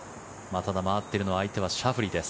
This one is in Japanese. ただ、回っているのは相手はシャフリーです。